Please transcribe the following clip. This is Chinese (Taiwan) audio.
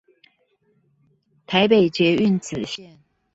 台北捷運紫線